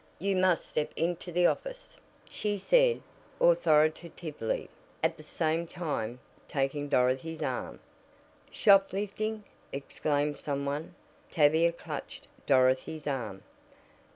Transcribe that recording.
"You must step into the office," she said authoritatively, at the same time taking Dorothy's arm. "Shoplifting!" exclaimed some one. Tavia clutched Dorothy's arm.